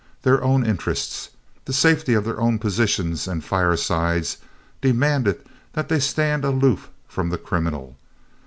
Their own interests, the safety of their own positions and firesides, demanded that they stand aloof from the criminal.